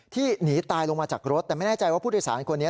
หนีตายลงมาจากรถแต่ไม่แน่ใจว่าผู้โดยสารคนนี้